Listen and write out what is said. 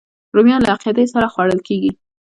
رومیان له عقیدې سره خوړل کېږي